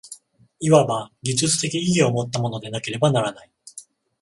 いわば技術的意義をもったものでなければならない。